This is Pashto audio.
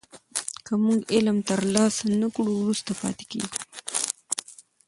که موږ علم ترلاسه نه کړو وروسته پاتې کېږو.